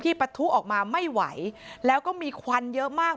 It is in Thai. ปะทุออกมาไม่ไหวแล้วก็มีควันเยอะมาก